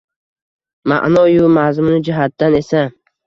ma’no-yu mazmuni jihatidan esa...